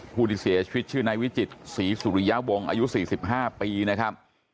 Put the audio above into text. ผู้ที่เสียชีวิตชื่อนายวิจิตรศรีสุริยวงศ์อายุ๔๕ปีนะครับ